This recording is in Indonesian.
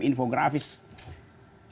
infografis segala macam